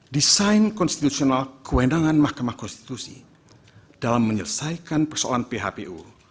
desain konstitusional kewenangan mahkamah konstitusi dalam menyelesaikan persoalan phpu